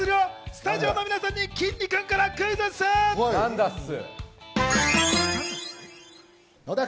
スタジオの皆さんにきんに君からクイズッス！